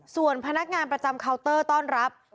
ส่วนพนักงานประจำเคาน์เตอร์ต้อนรับ